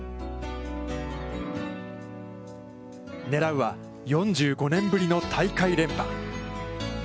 狙うは４５年ぶりの大会連覇。